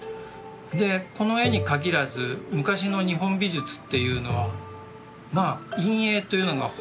でこの絵に限らず昔の日本美術っていうのはまあ陰影というのがほぼ描かれてない。